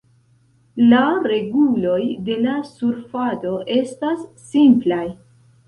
La reguloj de la surfado estas simplaj.